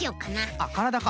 あっからだか。